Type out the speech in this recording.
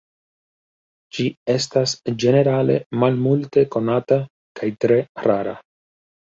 Ĝi estas ĝenerale malmulte konata kaj tre rara.